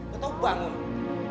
gak tahu bangun